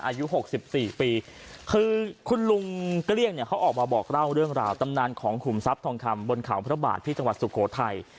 อายุ๖๔ปีคือคุณลุงเกลี้ยงเนี่ยเขาออกมาบอกเล่าเรื่องราวตำนานของขุมทรัพย์ทองคำบนเขาพระบาทที่จังหวัดสุโขทัย